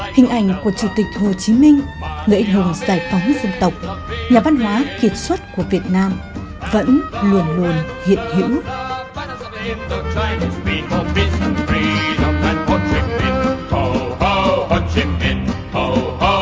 hình ảnh của chủ tịch hồ chí minh lễ hùng giải phóng dân tộc nhà văn hóa kiệt xuất của việt nam vẫn luôn luôn hiện hữu